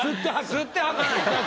吸って吐かないと。